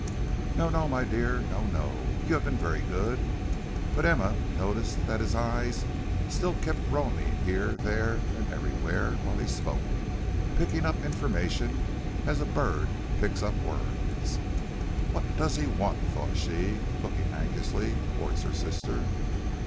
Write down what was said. "No, no, my dear, no, no. You have been very good." But Emma noticed that his eyes still kept roaming here, there, and everywhere while he spoke, picking up information as a bird picks up worms. "What does he want?" thought she, looking anxiously towards her sister.